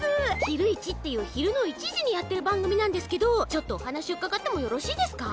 「ひるイチ」っていうひるの１じにやってるばんぐみなんですけどちょっとおはなしうかがってもよろしいですか？